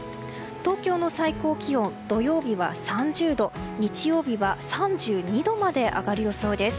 東京の最高気温、土曜日は３０度日曜日は３２度まで上がる予想です。